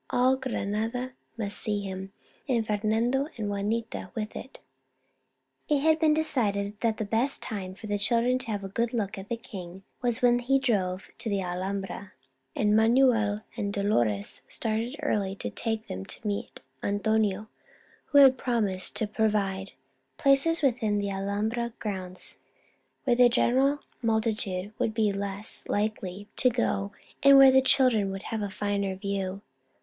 All Granada must see him, and Fernando and Juanita with it. It had been decided that the best time for the children to have a good look at the king was when he drove to the Alhambra, and Manuel and Dolores started early to take them to meet Antonio, who had promised to provide places within the Alhambra grounds, where the general multitude would be less 120 Our Little Spanish Cousin likely to go, and where the children would have a finer view.